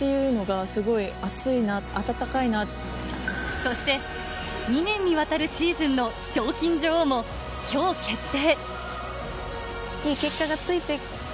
そして２年にわたるシーズンの賞金女王も今日決定。